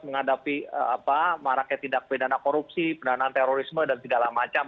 menghadapi maraknya tindak pidana korupsi pendanaan terorisme dan segala macam